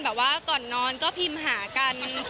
แบบว่าก่อนนอนก็พิมพ์หากัน